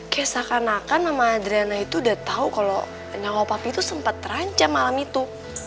kayak seakan akan sama adriana itu udah tahu kalau nyawa papi itu sempat terancam malam itu